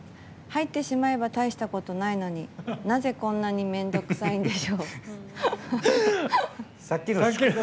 入ってしまえば大したことないのになぜこんなに面倒くさいんでしょう。